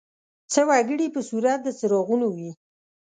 څه وګړي په صورت د څراغونو وي.